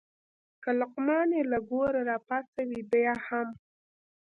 که لقمان یې له ګوره راپاڅوې بیا هم.